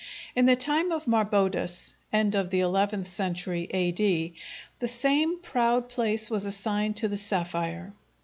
In the time of Marbodus (end of the eleventh century A.D.) the same proud place was assigned to the sapphire.